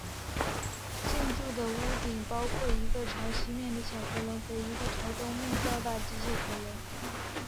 建筑的屋顶包括一个朝西面的小阁楼和一个朝东面较大机械阁楼。